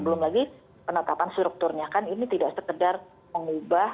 belum lagi penetapan strukturnya kan ini tidak sekedar mengubah